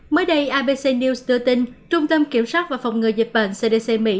mới đây abc news đưa tin trung tâm kiểm soát và phòng ngừa dịch bệnh cdc mỹ